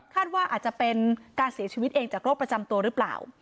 ว่าอาจจะเป็นการเสียชีวิตเองจากโรคประจำตัวหรือเปล่า